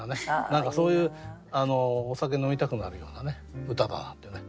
何かそういうお酒飲みたくなるような歌だよね。